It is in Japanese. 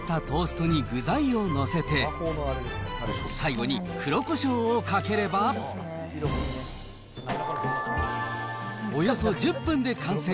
焼き上がったトーストに具材を載せて、最後に黒こしょうをかければ、およそ１０分で完成。